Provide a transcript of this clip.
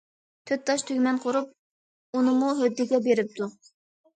تۆت تاش تۈگمەن قۇرۇپ، ئۇنىمۇ ھۆددىگە بېرىپتۇ.